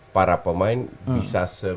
para pemain bisa